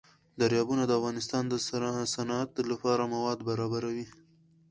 دریابونه د افغانستان د صنعت لپاره مواد برابروي.